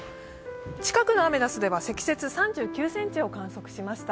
近くのアメダスでは積雪３９ｃｍを観測しました。